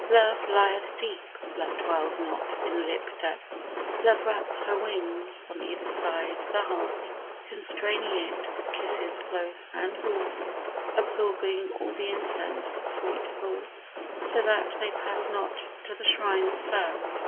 Love lieth deep; Love dwells not in lip depths: Love wraps her wings on either side the heart, Constraining it with kisses close and warm, Absorbing all the incense of sweet thoughts So that they pass not to the shrine of sound.